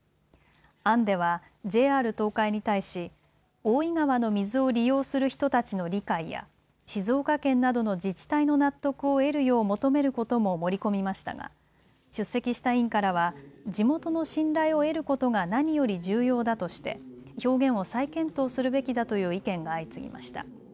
案では、ＪＲ東海に対し大井川の水を利用する人たちの理解や静岡県などの自治体の納得を得るよう求めることも盛り込みましたが出席した委員からは地元の信頼を得ることが何より重要だとして表現を再検討するべきだという意見が相次ぎました。